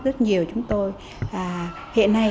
rất nhiều chúng tôi hiện nay